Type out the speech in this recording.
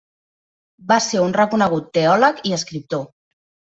Va ser un reconegut teòleg i escriptor.